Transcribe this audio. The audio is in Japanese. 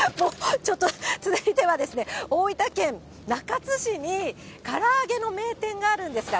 続いてはですね、大分県中津市にから揚げの名店があるんですが、